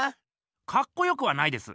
かっこよくはないです。